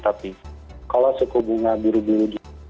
tapi kalau suku bunga buru buru